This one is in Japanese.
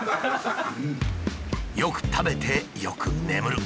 よく食べてよく眠る。